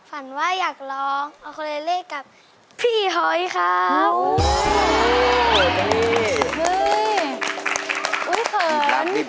ฝันว่าอยากลองเอาคนเลยเลขกับพี่หอยครับ